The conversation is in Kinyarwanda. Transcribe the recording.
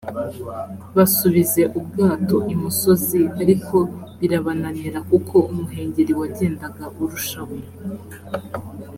basubize ubwato imusozi ariko birabananira kuko umuhengeri wagendaga urushaho